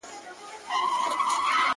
ړوند خپله همسا يو وار ورکوي.